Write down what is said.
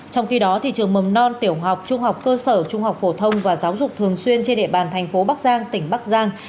trong khi đó trường mầm non tiểu học trung học cơ sở trung học phổ thông và giáo dục thường xuyên trên địa bàn thành phố bắc giang tỉnh bắc giang